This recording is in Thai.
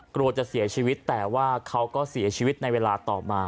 กลัวจะเสียชีวิตแต่ว่าเขาก็เสียชีวิตในเวลาต่อมา